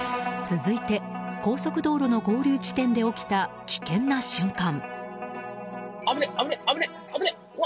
続いて、高速道路の合流地点で起きた危険な瞬間。